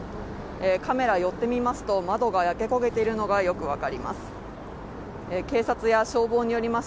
カメラを寄ってみますと、窓が焼け焦げているのがよくわかります。